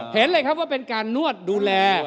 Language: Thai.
เห็นเลยครับว่าเป็นการนวดดูแล